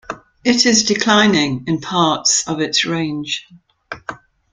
It is declining in parts of its range.